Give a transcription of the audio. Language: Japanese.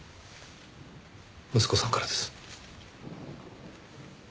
息子さんからです。